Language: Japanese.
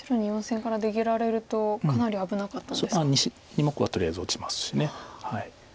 ２目はとりあえず落ちますし。